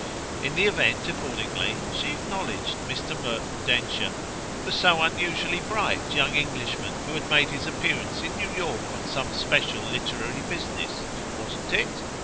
In the event, accordingly, she acknowledged Mr. Merton Densher, the so unusually "bright" young Englishman who had made his appearance in New York on some special literary business wasn't it?